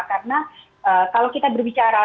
karena kalau kita berbicara